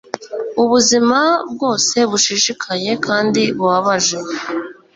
Ubuzima bwose bushishikaye kandi bubabaje